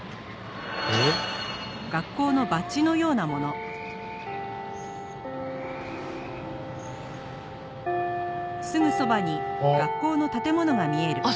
えっ？あっ。